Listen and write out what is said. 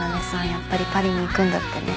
やっぱりパリに行くんだってね。